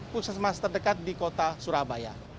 puskesmas terdekat di kota surabaya